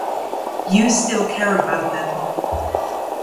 You still care about them.